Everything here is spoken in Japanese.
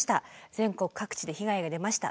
全国各地で被害が出ました。